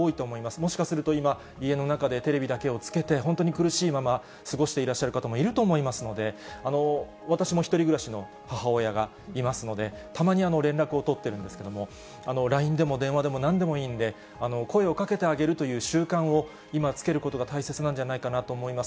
もしかすると今、家の中でテレビだけをつけて、本当に苦しいまま過ごしていらっしゃる方もいると思いますので、私も１人暮らしの母親がいますので、たまに連絡を取ってるんですけれども、ＬＩＮＥでも電話でもなんでもいいんで、声をかけてあげるという習慣を今つけることが大切なんじゃないかなと思います。